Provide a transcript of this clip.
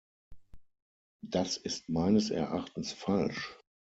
Das ist meines Erachtens falsch.